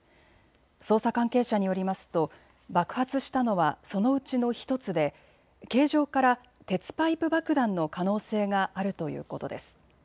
捜査関係者によりますと爆発したのはそのうちの１つで形状から鉄パイプ爆弾の可能性があるということです。